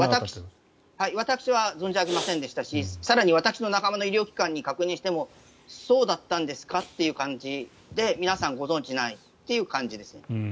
私は存じ上げませんでしたし更に私の医療機関に確認してもそうだったんですかという感じで皆さんご存じないという感じです。